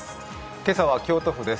今朝は京都府です。